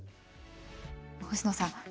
星野さん